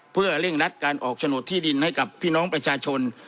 เพื่อเร่งนัดการออกโฉนดที่ดินให้กับพี่น้องประชาชน